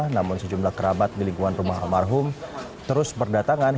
namun sejumlah kerabat di lingkungan rumah almarhum terus berdatangan